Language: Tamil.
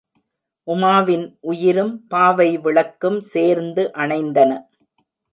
உமாவின் உயிரும் பாவை விளக்கும் சேர்ந்து அணைந்தன.